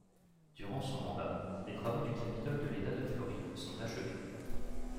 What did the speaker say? Durant son mandat, les travaux du Capitole de l'État de Floride sont achevés.